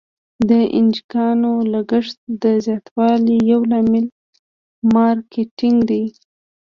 د انجوګانو د لګښت د زیاتوالي یو لامل مارکیټینګ دی.